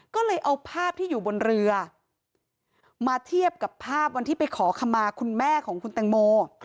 ก็เลยเอาภาพที่อยู่บนเรือมาเทียบกับภาพวันที่ไปขอขมาคุณแม่ของคุณแตงโม